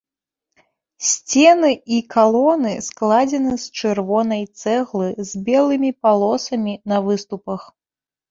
Сцены і калоны складзены з чырвонай цэглы з белымі палосамі на выступах.